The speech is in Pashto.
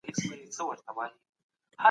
په راتلونکي کي به د سیاست بڼه نوره هم بدله سي.